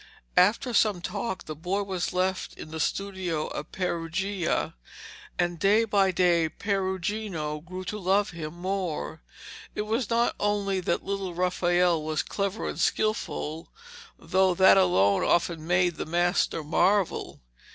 After some talk, the boy was left in the studio at Perugia, and day by day Perugino grew to love him more. It was not only that little Raphael was clever and skilful, though that alone often made the master marvel.